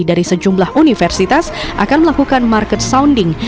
dari sejumlah universitas akan melakukan market sounding